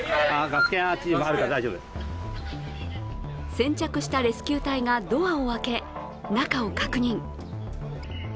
先着したレスキュー隊がドアを開け、中を確認。